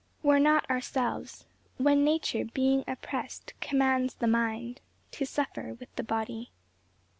"We're not ourselves, When nature, being oppress'd, commands the mind To suffer with the body."